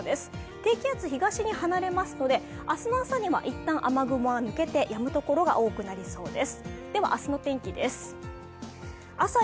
低気圧、東に離れますので明日の朝にはいったん雨雲は抜けてやむところが多くなりそうです。